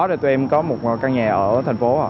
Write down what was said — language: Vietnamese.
để không có một căn nhà ở thành phố